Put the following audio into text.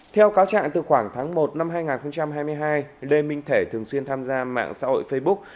theo cáo trạng từ khoảng tháng một năm hai nghìn hai mươi hai lê minh thể thường xuyên tham gia mạng xã hội facebook